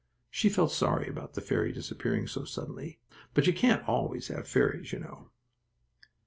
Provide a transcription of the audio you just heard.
She felt sorry about the fairy disappearing so suddenly, but you can't always have fairies, you know.